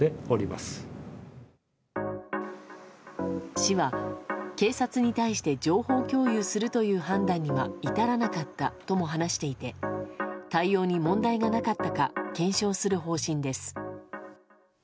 市は警察に対して情報共有するという判断には至らなかったとも話していて対応に問題がなかったか検証する方針です。